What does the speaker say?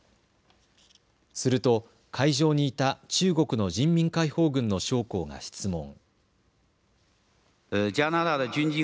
すると会場にいた中国の人民解放軍の将校が質問。